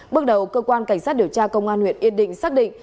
bước đầu cơ quan cảnh sát điều tra công an huyện yên định xác định